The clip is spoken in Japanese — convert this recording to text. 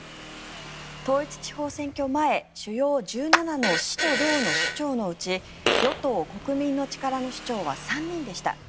統一地方選挙前主要１７の市と道の首長のうち与党・国民の力の首長は３人でした。